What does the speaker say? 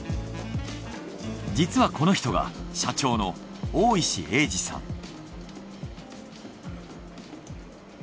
実はこの人が社長の大石英司さん。